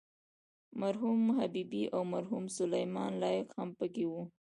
مرحوم حبیبي او مرحوم سلیمان لایق هم په کې وو.